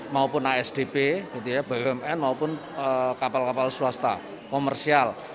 maupun asdp bumn maupun kapal kapal swasta komersial